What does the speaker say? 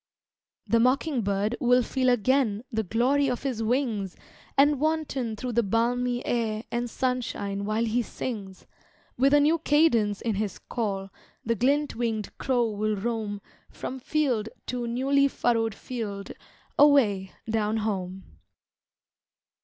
The mocking bird will feel again The glory of his wings, And wanton through the balmy air And sunshine while he sings, With a new cadence in his call, The glint wing'd crow will roam From field to newly furrowed field Away down home.